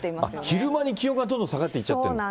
昼間に気温がどんどん下がっていっちゃってる？